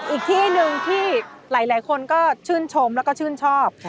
อีกที่หนึ่งที่หลายคนก็ชื่นชมแล้วก็ชื่นชอบ